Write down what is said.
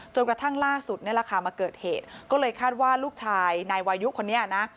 กระทั่งล่าสุดนี่แหละค่ะมาเกิดเหตุก็เลยคาดว่าลูกชายนายวายุคนนี้นะ